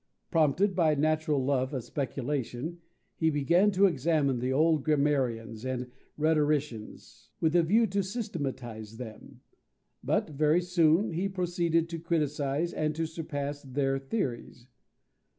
Prompted by a natural love of speculation, he began to examine the old grammarians and rhetoricians, with a view to systematize them. But very soon he proceeded to criticize and to surpass their theories.